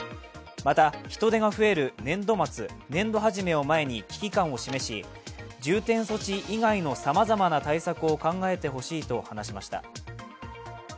また人出が増える年度末年度初めを前に危機感を示し重点措置以外のさまざまな対策を考えてほしいと話しました。